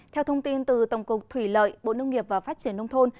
theo thông tin từ tổng cục thủy lợi bộ nông nghiệp và phát triển nông thôn